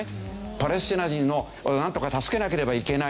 パレスチナ人をなんとか助けなければいけない。